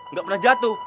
gak pernah jatuh